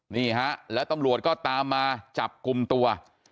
นี่ฮะแล้วตำรวจก็ตามมาจับกลุ่มตัว